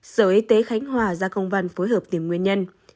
sở y tế khánh hòa ra công văn phối hợp tìm nguyên nhân